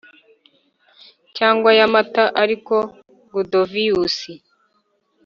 cyangwa ya Mata Ariko Gudovius